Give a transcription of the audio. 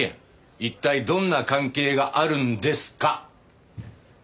一体どんな関係があるんですか？